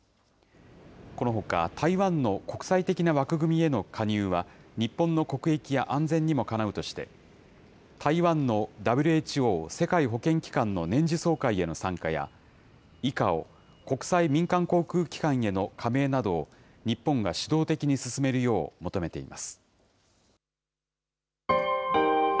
このほか、台湾の国際的な枠組みへの加入は、日本の国益や安全にもかなうとして、台湾のＷＨＯ・世界保健機関の年次総会への参加や、ＩＣＡＯ・国際民間航空機関への加盟などを日本が主導的に進めるよう求めています。